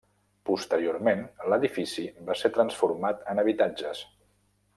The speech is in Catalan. Posteriorment, l'edifici va ser transformat en habitatges.